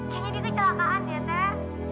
kayaknya dia kecelakaan ya ter